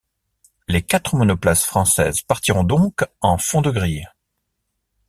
Les quatre monoplaces françaises partiront donc en fond de grille.